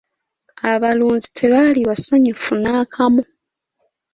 Abalunzi tebaali basanyufu n'akamu.